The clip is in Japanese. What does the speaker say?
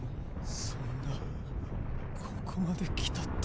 そんなここまで来たってのに。